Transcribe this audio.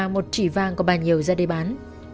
một chỉ vàng có bao nhiêu ra đây bán